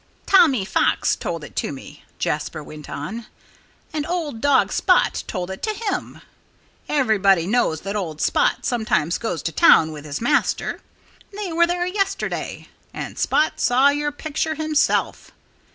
"Tommy Fox told it to me," Jasper went on, "and old dog Spot told it to him. Everybody knows that old Spot sometimes goes to town with his master. They were there yesterday. And Spot saw your picture himself.